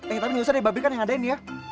eh tapi gak usah deh babe kan yang ngadain dia